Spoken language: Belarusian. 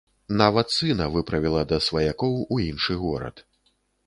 Нават сына выправіла да сваякоў у іншы горад.